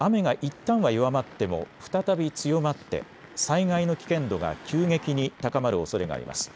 雨がいったんは弱まっても再び強まって災害の危険度が急激に高まるおそれがあります。